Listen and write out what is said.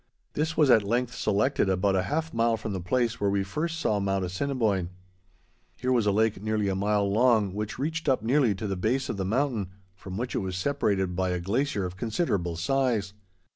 This was at length selected about a half mile from the place where we first saw Mount Assiniboine. Here was a lake nearly a mile long, which reached up nearly to the base of the mountain, from which it was separated by a glacier of considerable size.